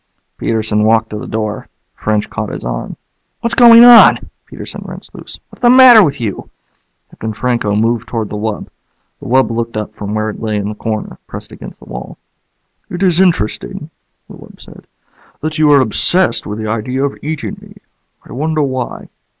Peterson walked to the door. French caught his arm. "What's going on?" Peterson wrenched loose. "What's the matter with you?" Captain Franco moved toward the wub. The wub looked up from where it lay in the corner, pressed against the wall. "It is interesting," the wub said, "that you are obsessed with the idea of eating me. I wonder why."